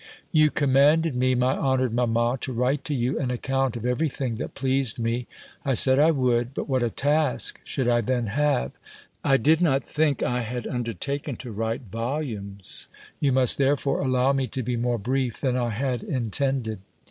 You commanded me, my honoured mamma, to write to you an account of every thing that pleased me I said I would: but what a task should I then have! I did not think I had undertaken to write volumes. You must therefore allow me to be more brief than I had intended.